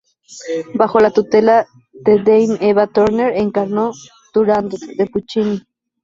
Bajo la tutela de Dame Eva Turner encarnó Turandot de Puccini.